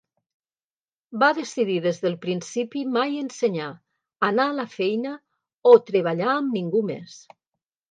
Va decidir des del principi mai ensenyar, anar a la feina o treballar amb ningú més.